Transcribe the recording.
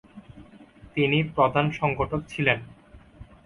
তিনি প্রধান সংগঠক ছিলেন।